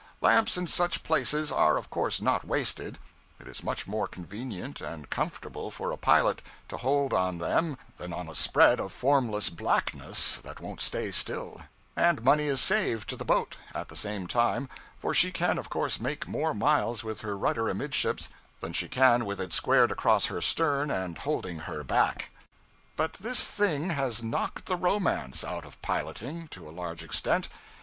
Lamps in such places are of course not wasted; it is much more convenient and comfortable for a pilot to hold on them than on a spread of formless blackness that won't stay still; and money is saved to the boat, at the same time, for she can of course make more miles with her rudder amidships than she can with it squared across her stern and holding her back. But this thing has knocked the romance out of piloting, to a large extent.